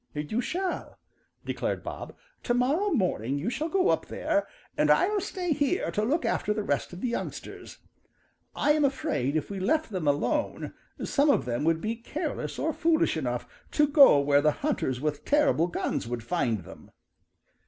"You shall," declared Bob. "Tomorrow morning you shall go up there and I'll stay here to look after the rest of the youngsters. I am afraid if we left them alone some of them would be careless or foolish enough to go where the hunters with terrible guns would find them."